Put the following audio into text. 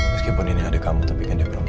meskipun ini adik kamu tapi kan dia beramah